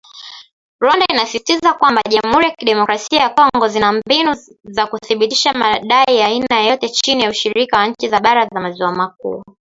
Rwanda inasisitizwa kwamba jamuhuri ya kidemokrasia ya Kongo nzina mbinu za kuthibitisha madai ya aina yoyote chini ya ushirika wa nchi za bara za maziwa makuu